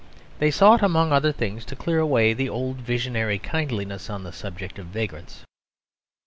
They sought among other things to clear away the old visionary kindliness on the subject of vagrants.